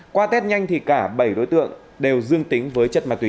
qua test nhanh thì cả bảy đối tượng đều dương tính với chất ma túy